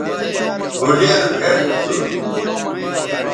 بھوڈیر بھئٹ تھو